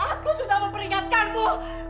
aku sudah memperingatkanmu